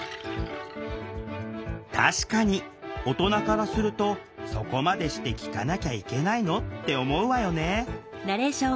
確かに大人からすると「そこまでして聴かなきゃいけないの？」って思うわよね。